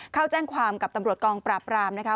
เข้าแจ้งความกับตำรวจกองปราบรามนะคะ